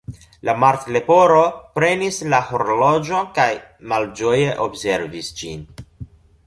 La Martleporo prenis la horloĝon, kaj malĝoje observis ĝin.